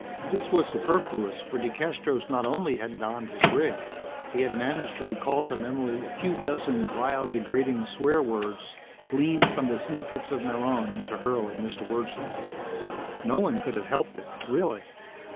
This was superfluous, for DeCastros not only had donned his rig; he had managed to recall to memory a few dozen vile, degrading swear words gleaned from the sin pits of Marronn, to hurl at Mr. Wordsley. No one could have helped it, really.